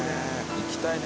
「行きたいね